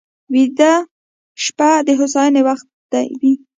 ویده شپه د هوساینې وخت وي